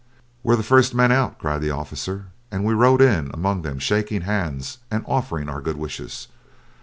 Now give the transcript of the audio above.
"We're the first men out," cried the officer and we rode in among them, shaking hands and offering our good wishes.